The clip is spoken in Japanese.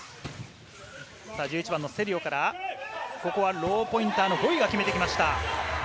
１１番のセリオからここからローポイントのボイが決めてきました。